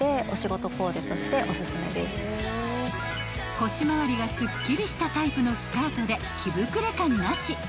［腰回りがすっきりしたタイプのスカートで着膨れ感なし］